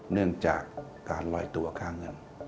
เนื่องจากการลอยตัวค่าเงิน